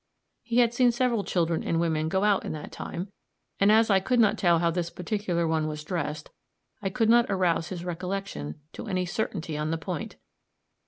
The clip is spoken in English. He had seen several children and women go out in that time; and as I could not tell how this particular one was dressed, I could not arouse his recollection to any certainty on the point.